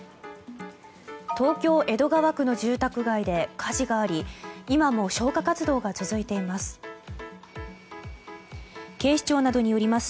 東京・江戸川区の住宅街で火事があり今も消火活動が続いています。